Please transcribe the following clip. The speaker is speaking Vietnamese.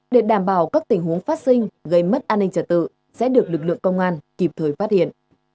để đảm bảo các tình huống phát sinh gây mất an ninh trả tự sẽ được lực lượng công an kịp thời phát hiện